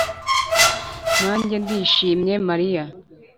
nanjye ndishimye, mariya.